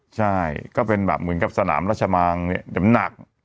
ใช่ก็เป็นเหมือนกับสนามราชาบางเนี่ยเด็มหนัก